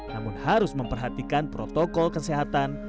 namun harus memperhatikan protokol kesehatan